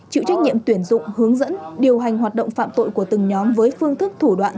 chịu trách nhiệm tuyển dụng hướng dẫn điều hành hoạt động phạm tội của từng nhóm với phương thức thủ đoạn